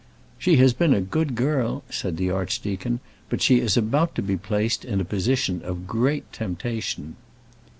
"She has been a good girl," said the archdeacon, "but she is about to be placed in a position of great temptation."